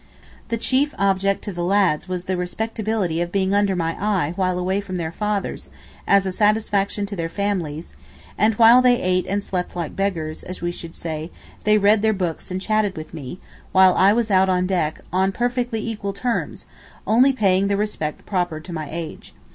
The chief object to the lads was the respectability of being under my eye while away from their fathers, as a satisfaction to their families; and while they ate and slept like beggars, as we should say, they read their books and chatted with me, when I was out on the deck, on perfectly equal terms, only paying the respect proper to my age.